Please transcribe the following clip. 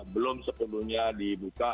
belum sepenuhnya dibuka